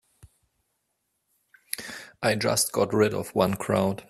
I just got rid of one crowd.